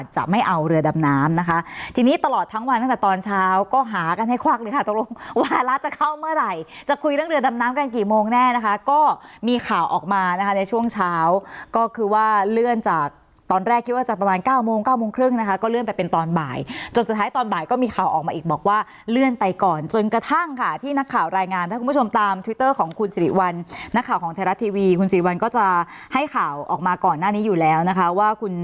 จะไม่เอาเรือดำน้ำนะคะทีนี้ตลอดทั้งวันตั้งแต่ตอนเช้าก็หากันให้ควักเลยค่ะตกลงวานละจะเข้าเมื่อไหร่จะคุยเรื่องเรือดำน้ำกันกี่โมงแน่นะคะก็มีข่าวออกมานะคะในช่วงเช้าก็คือว่าเลื่อนจากตอนแรกคิดว่าจะประมาณ๙โมง๙โมงครึ่งนะคะก็เลื่อนไปเป็นตอนบ่ายจนสุดท้ายตอนบ่ายก็มีข่าวออกมาอีกบอกว่าเลื่อนไปก่อนจน